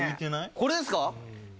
これですか？